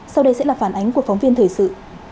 sau đây sẽ là phản ánh của phóng viên thời sự